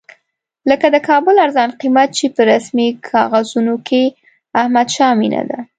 لکه د کابل ارزان قیمت چې په رسمي کاغذونو کې احمدشاه مېنه ده.